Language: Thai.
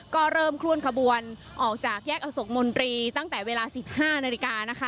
ก็เริ่มเคลื่อนขบวนออกจากแยกอโศกมนตรีตั้งแต่เวลา๑๕นาฬิกานะคะ